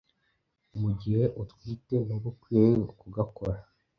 mu gihe utwite ntuba ukwiye kugakora